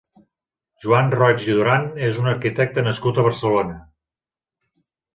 Joan Roig i Duran és un arquitecte nascut a Barcelona.